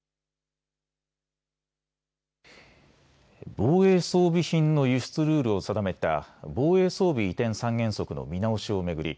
防衛装備品の輸出ルールを定めた防衛装備移転三原則の見直しを巡り